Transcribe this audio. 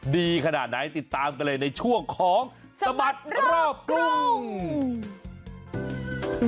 ดีขนาดไหนติดตามกันเลยในช่วงของสบัดรอบกรุง